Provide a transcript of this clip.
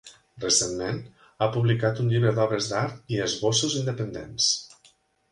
Recentment, ha publicat un llibre d'obres d'art i esbossos independents.